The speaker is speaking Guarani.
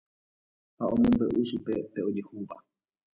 Ha omombe'u chupe pe ojehúva.